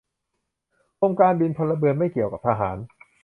กรมการบินพลเรือนไม่เกี่ยวกับทหาร